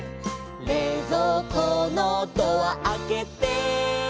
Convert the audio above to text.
「れいぞうこのドアあけて」